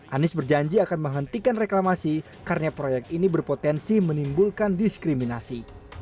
anies berjanji akan menghentikan reklamasi karena proyek ini berpotensi menimbulkan diskriminasi